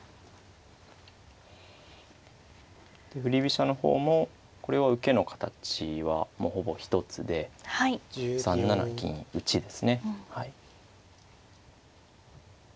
振り飛車の方もこれは受けの形はもうほぼ一つで３七銀打ですね。